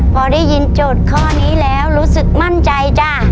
พอได้ยินโจทย์ข้อนี้แล้วรู้สึกมั่นใจจ้ะ